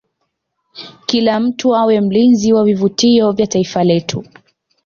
kila mtu awe mlinzi wa vivutio vya taifa letu